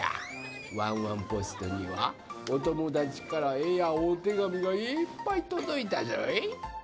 ワンワンポストにはおともだちからえやおてがみがいっぱいとどいたぞい。